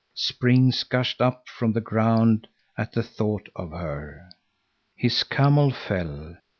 Springs gushed up from the ground at the thought of her. His camel fell.